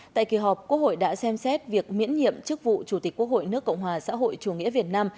tại kỳ họp quốc hội đã xem xét việc miễn nhiệm chức vụ chủ tịch quốc hội nước cộng hòa xã hội chủ nghĩa việt nam